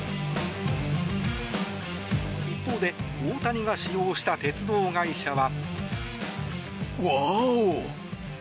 一方で大谷が使用した鉄道会社は。